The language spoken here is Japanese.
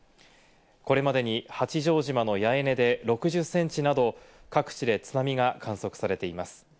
これまでに八丈島の八重根で６０センチなど、各地で津波が観測されています。